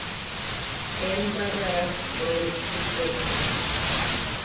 remonambaitéta nde retére